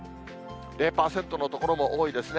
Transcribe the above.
０％の所も多いですね。